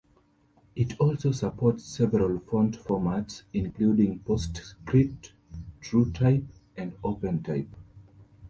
It also supports several font formats, including PostScript, TrueType, and OpenType.